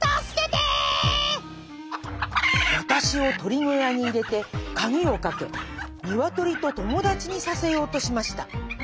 わたしをとり小屋にいれてカギをかけにわとりとともだちにさせようとしました。